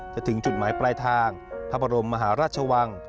ถึงจุดหมายปลายทางพระบรมมหาราชวัง